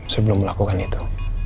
sebelum melakukan itu